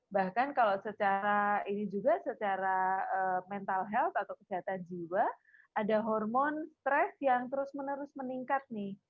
bahkan kalau secara mental health atau kesehatan jiwa ada hormon stress yang terus menerus meningkat nih